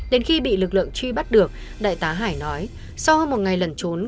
đến khi bị lực lượng truy bắt được đại tá hải nói sau hơn một ngày lẩn trốn